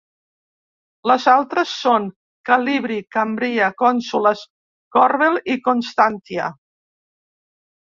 Les altres són Calibri, Cambria, Consolas, Corbel i Constantia.